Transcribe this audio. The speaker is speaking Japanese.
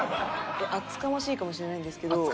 厚かましいかもしれないんですけど。